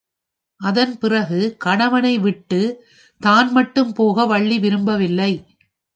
அதன் பிறகு கணவனை விட்டுத் தான் மட்டும் போக வள்ளி விரும்பவில்லை.